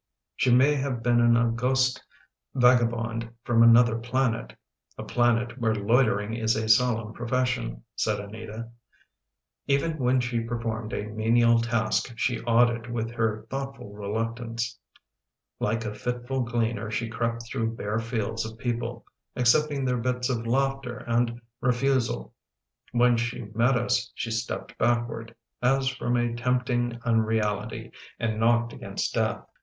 She may have been an august vagabond from another planet — a planet where loitering is a solemn profes sion/' said Anita. " Even when she performed a menial task she awed it with her thoughtful reluctance. Like a fitful gleaner she crept through bare fields of people, accepting their bits of laughter and refusal. When she met us she stepped backward, as from a tempting unre ality, and knocked against death."